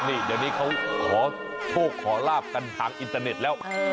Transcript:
นี่เดี๋ยวนี้เขาขอโชคขอลาบกันทางอินเตอร์เน็ตแล้ว